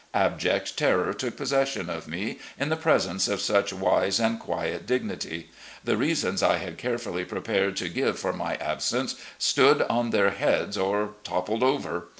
Abject terror took possession of me in the presence of such wise and quiet dignity; the reasons I had careftilly prepared to give for my absence stood on their heads, or toppled over.